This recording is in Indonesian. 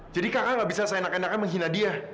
jadi kakak nggak bisa seenak enakan menghina dia